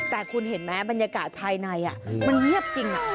แต่คุณเห็นไหมบรรยากาศภายในมันเงียบจริง